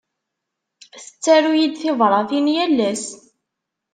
Tettaru-yi-d tibratin yal ass.